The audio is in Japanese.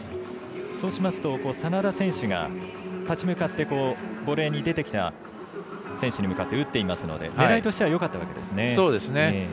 そうしますと、眞田選手が立ち向かってボレーに出てきた選手に向かって打っていきますので狙いとしてはよかったわけですね。